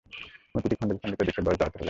মূর্তিটি খণ্ড-বিখণ্ড দেখে বজ্রাহত হলেন।